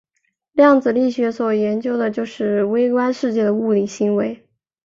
量子力学所研究的就是微观世界的物理行为。